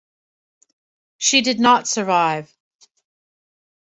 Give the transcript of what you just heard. She did not survive.